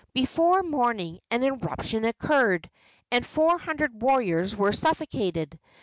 Before morning an eruption occurred, and four hundred warriors were suffocated.